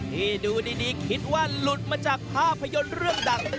ที่ดูดีคิดว่าหลุดมาจากภาพยนตร์เรื่องดัง